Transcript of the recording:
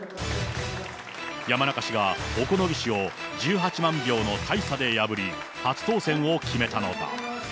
山中氏が小此木氏を１８万票の大差で破り、初当選を決めたのだ。